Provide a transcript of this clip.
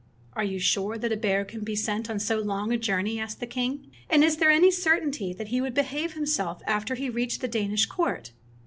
"Are you sure that a bear can be sent on so long a journey?" asked the king, "and is there any certainty that he would behave himself after he reached the Danish "court?"